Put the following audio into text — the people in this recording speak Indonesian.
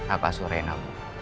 apa surat rena bu